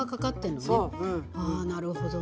ああなるほどね。